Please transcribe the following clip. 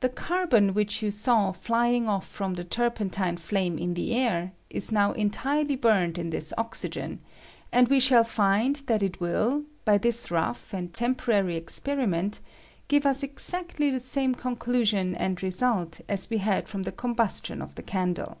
The carbon which you saw flying off from the turpentine flame in the air is now en tirely bumed in this oxygen, and we shall find *that it will, by this rough and temporary ex periment, give ua exactly the same conclusion and result aa we had from the combustion of the candle.